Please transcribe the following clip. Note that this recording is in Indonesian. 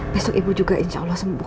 besok ibu juga insya allah sembuh